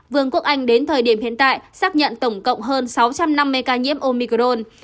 vương quốc anh đến thời điểm hiện tại xác nhận tổng cộng hơn sáu trăm năm mươi ca nhiễm omicron